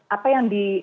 apa yang di